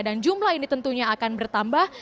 dan jumlah ini tentunya akan bertambah